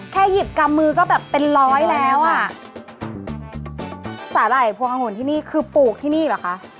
หยิบกำมือก็แบบเป็นร้อยแล้วอ่ะสาหร่ายพวงองุ่นที่นี่คือปลูกที่นี่เหรอคะ